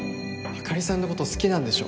あかりさんのこと好きなんでしょ